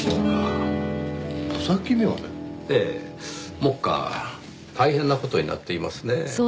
目下大変な事になっていますねぇ。